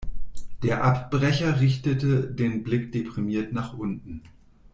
Der Abbrecher richtete den Blick deprimiert nach unten.